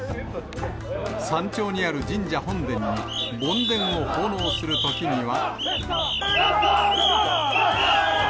山頂にある神社本殿に梵天を奉納するときには。